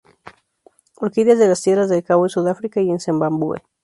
Orquídeas de las tierras de El Cabo en Sudáfrica y en Zimbabue.